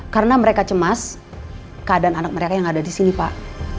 karena mereka cemas keadaan anak mereka yang ada di sini pak